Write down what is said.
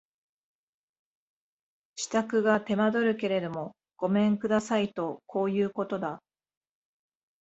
支度が手間取るけれどもごめん下さいとこういうことだ